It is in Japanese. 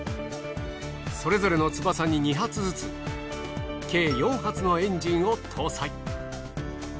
それぞれの翼に２発ずつ計４発のエンジンを搭載。